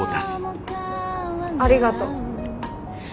ありがとう。